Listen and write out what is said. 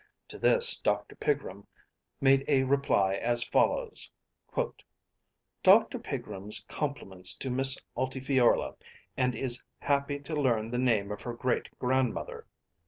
To this Dr. Pigrum made a reply as follows: "Dr. Pigrum's compliments to Miss Altifiorla, and is happy to learn the name of her great grandmother."